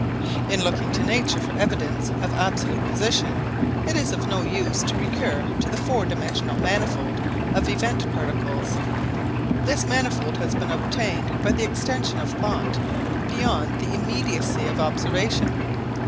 In looking to nature for evidence of absolute position it is of no use to recur to the four dimensional manifold of event particles. This manifold has been obtained by the extension of thought beyond the immediacy of observation.